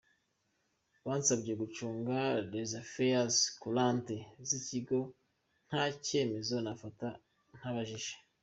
Bansabye gucunga les affaires courantes z’ikigo nta cyemezo nafata ntabajije.